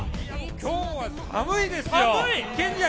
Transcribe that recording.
今日は寒いですよ、ケニア